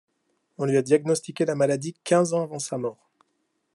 On lui a diagnostiqué la maladie quinze ans avant sa mort.